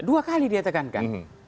dua kali dia tegankan